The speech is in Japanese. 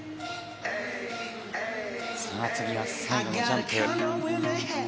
次が最後のジャンプ。